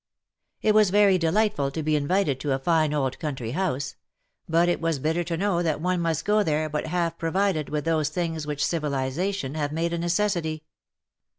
It was very delightful to be invited to a fine old country house ; but it was bitter to know that one must go there but half provided with those things which civilization have made a necessity.